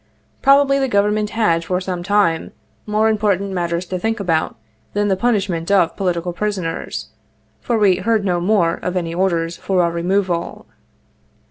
Probably the Government had, for some time, more important matters to think about than the punishment of " political prisoners," for we heard no more of any orders for our removal.